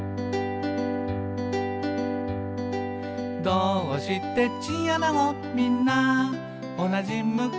「どーうしてチンアナゴみんなおなじ向き？」